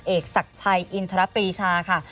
เอกศักดิ์ชัยอินทรปรีชาค่ะ